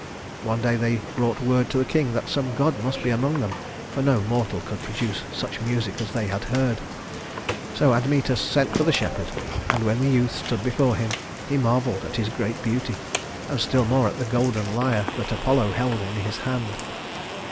One day they brought word to the king that some god must be among them, for no mortal could produce such music as they had heard. So Admetus sent for the shepherd, and when the youth stood before him, he marveled at his great beauty, and still more at the golden lyre that Apollo held in his hand.